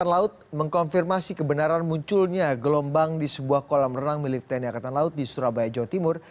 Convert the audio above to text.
laut mengkonfirmasi kebenaran munculnya gelombang di sebuah kolam renang milik tni angkatan laut di surabaya jawa timur